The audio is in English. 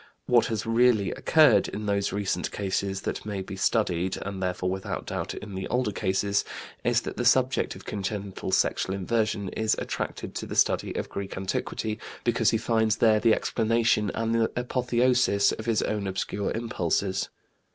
What has really occurred in those recent cases that may be studied, and therefore without doubt in the older cases, is that the subject of congenital sexual inversion is attracted to the study of Greek antiquity because he finds there the explanation and the apotheosis of his own obscure impulses.